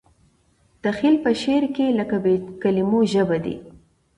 تخیل په شعر کې لکه بې کلیمو ژبه دی.